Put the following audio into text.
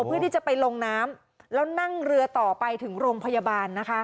เพื่อที่จะไปลงน้ำแล้วนั่งเรือต่อไปถึงโรงพยาบาลนะคะ